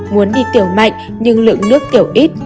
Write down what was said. muốn đi tiểu mạnh nhưng lượng nước tiểu ít